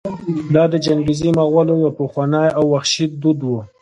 دا د چنګېزي مغولو یو پخوانی او وحشي دود و.